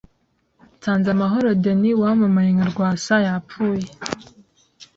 Nsanzamahoro Denis wamamaye nka Rwasa yapfuye